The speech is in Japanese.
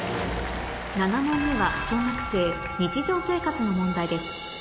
７問目は小学生日常生活の問題です